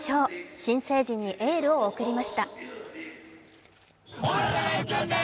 新成人にエールをおくりました。